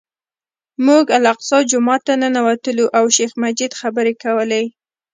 موږ الاقصی جومات ته ننوتلو او شیخ مجید خبرې کولې.